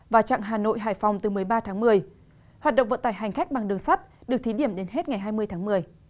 và chặng hà nội hải phòng từ một mươi ba tháng một mươi hoạt động vận tải hành khách bằng đường sắt được thí điểm đến hết ngày hai mươi tháng một mươi